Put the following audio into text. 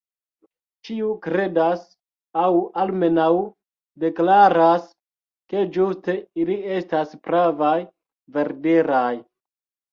Ĉiu kredas, aŭ almenaŭ deklaras, ke ĝuste ili estas pravaj, verdiraj.